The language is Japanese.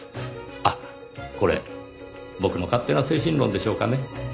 あっこれ僕の勝手な精神論でしょうかね？